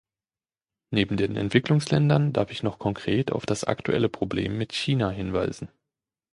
Neben den Entwicklungsländern darf ich noch konkret auf das aktuelle Problem mit China hinweisen.